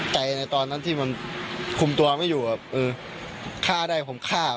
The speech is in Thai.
ในตอนนั้นที่มันคุมตัวไม่อยู่แบบเออฆ่าได้ผมฆ่า